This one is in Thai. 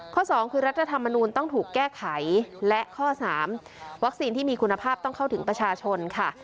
สองคือรัฐธรรมนูลต้องถูกแก้ไขและข้อ๓วัคซีนที่มีคุณภาพต้องเข้าถึงประชาชนค่ะ